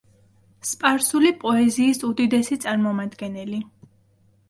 სპარსული პოეზიის უდიდესი წარმომადგენელი.